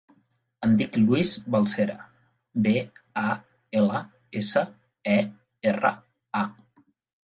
Em dic Luis Balsera: be, a, ela, essa, e, erra, a.